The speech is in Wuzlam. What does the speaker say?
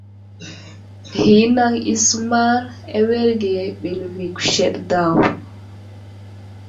Ghinaŋ i səmar awerge ɓəlvi kuseɗ daw.